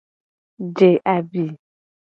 Je abi.